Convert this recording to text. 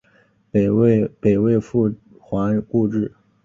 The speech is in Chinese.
北魏复还故治。